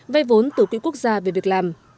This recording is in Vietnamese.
vay vốn từ quỹ quốc gia về việc làm